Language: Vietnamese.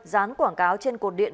dán quảng cáo trên cột điện